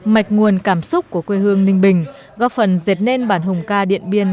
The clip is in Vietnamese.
mạch nguồn cảm xúc của quê hương ninh bình góp phần dệt nên bản hùng ca điện biên